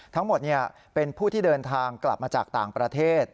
ทั้งหมดเป็นผู้ที่เดินทางกลับมาจากต่างประเทศ